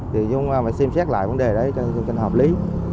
thì chúng phải xem xét lại vấn đề đấy cho hợp lý